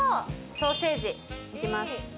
ソーセージ、いきます。